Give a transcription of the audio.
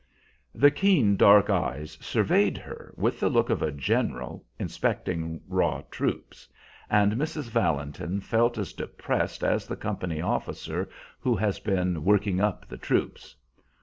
The keen, dark eyes surveyed her with the look of a general inspecting raw troops, and Mrs. Valentin felt as depressed as the company officer who has been "working up" the troops.